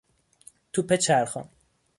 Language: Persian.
توپ چرخان